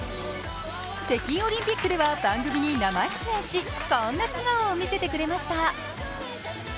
北京オリンピックでは番組に生出演し、こんな素顔を見せてくれました。